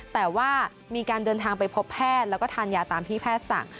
แต่ว่ามีการเดินทางไปพบแพทย์แล้วก็ทานยาตามที่แพทย์สั่ง